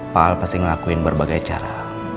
pak al pasti ngelakuin berbagai cara